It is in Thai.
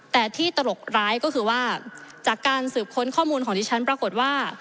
แต่ที่ตลกร้ายก็คือว่าจากการสืบค้นข้อมูลของดิฉันปรากฏว่า